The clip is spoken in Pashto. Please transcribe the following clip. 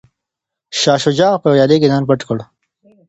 شاه شجاع په ویالې کې ځان پټ کړ.